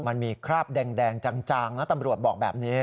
มันมีคราบแดงจางนะตำรวจบอกแบบนี้